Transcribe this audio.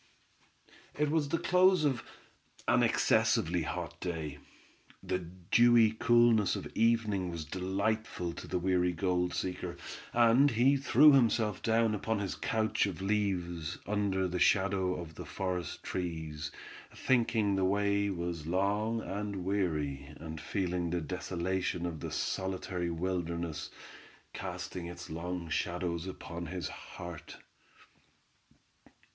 It was the close of an excessively hot day. The dewy coolness of evening was delightful to the weary gold seeker, and he threw himself down upon his couch of leaves, under the shadow of the forest trees, thinking the way was long and weary, and feeling the desolation of the solitary wilderness, casting its long shadows upon his heart.